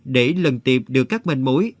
để lần tiếp được các mênh mối